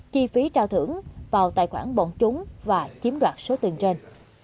chi phí trao thưởng vào tài khoản bọn chúng và chiếm đoạt số tiền trên